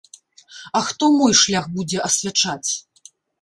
А хто мой шлях будзе асвячаць?